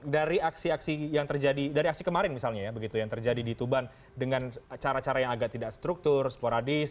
dari aksi aksi yang terjadi dari aksi kemarin misalnya ya begitu yang terjadi di tuban dengan cara cara yang agak tidak struktur sporadis